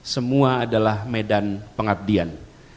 semua adalah medan pengabdian